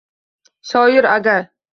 Shoir agar